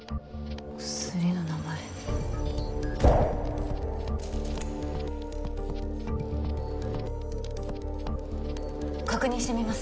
薬の名前確認してみます